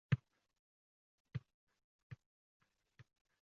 O`tgan oy ko`chada ko`rishib qolishdi, qiz ammasining bag`riga otildi